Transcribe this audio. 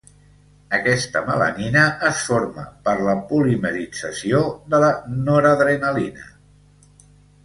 Aquesta melanina es forma per la polimerització de la noradrenalina.